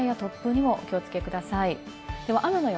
落雷や突風にも、お気をつけください。